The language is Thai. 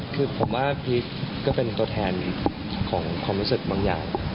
คือผมว่าพีชก็เป็นตัวแทนของความรู้สึกบางอย่าง